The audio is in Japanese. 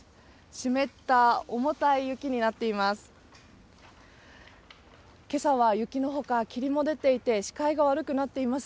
湿った重たい雪になっています。